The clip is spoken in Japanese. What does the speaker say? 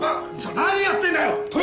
何やってんだよ！